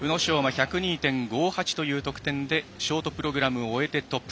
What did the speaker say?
１０２．５８という得点でショートプログラムを終えてトップ。